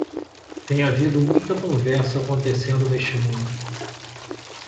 Tem havido muita conversa acontecendo neste mundo.